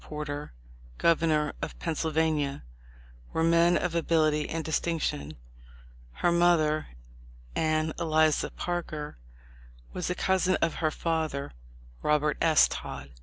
Porter, governor of Pennsyl vania, were men of ability and distinction. Her mother, Anne Eliza Parker, was a cousin of her father, Robert S. Todd.